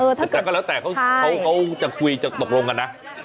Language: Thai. เออถ้าเกิดใช่แต่ก็แล้วแต่เขาจะคุยจะตกลงกันนะ